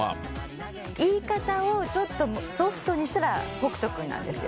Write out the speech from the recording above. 言い方をちょっとソフトにしたら北斗君なんですよ。